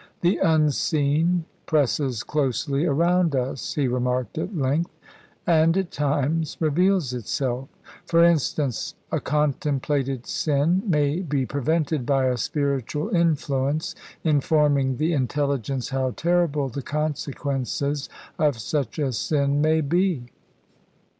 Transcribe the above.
"The Unseen presses closely around us," he remarked at length, "and at times reveals itself. For instance, a contemplated sin may be prevented by a spiritual influence informing the intelligence how terrible the consequences of such a sin may be."